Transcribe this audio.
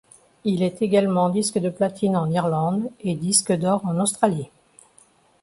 Il est également disque de platine en Irlande et disque d'or en Australie.